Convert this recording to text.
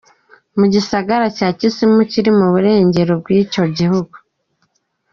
mu gisagara ca Kisumu kiri mu burengero bw'ico gihugu.